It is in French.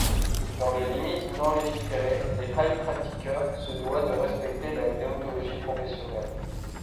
Dans les limites non légiférées, le Heilpraktiker se doit de respecter la déontologie professionnelle.